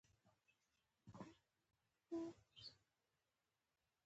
بازار ته لاړم او مېوې مې واخېستې.